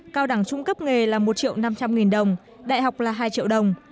cao đẳng trung cấp nghề là một triệu năm trăm linh nghìn đồng đại học là hai triệu đồng